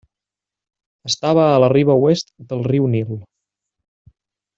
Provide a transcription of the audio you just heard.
Estava a la riba oest del riu Nil.